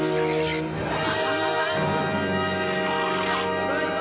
ただいま！